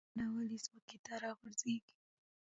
مڼه ولې ځمکې ته راغورځیږي؟